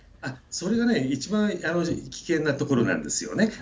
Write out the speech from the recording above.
それがね、一番危険なところなんですよね。